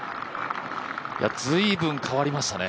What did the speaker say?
随分、変わりましたね。